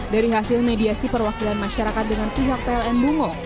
dari hasil mediasi perwakilan masyarakat dengan pihak pln bungo